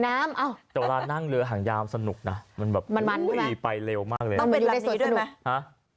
แต่เวลานั่งเรือหางยามสนุกนะมันแบบวู้ตรงไปเร็วมากอยู่ในส่วนสนุก